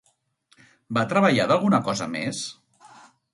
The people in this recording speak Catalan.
Va treballar d'alguna cosa més?